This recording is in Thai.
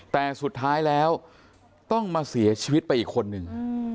แต่สุดท้ายแล้วต้องมาเสียชีวิตไปอีกคนนึง